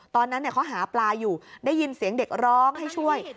ตอนนั้นเขาหาปลาอยู่ได้ยินเสียงเด็กร้องให้ช่วย